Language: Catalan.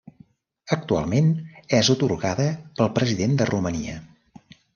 Actualment és atorgada pel President de Romania.